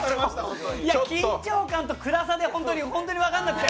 緊張感と暗さで本当によく分からなくて。